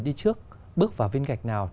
đi trước bước vào viên gạch nào